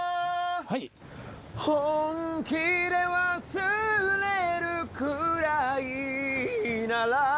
本気で忘れるくらいなら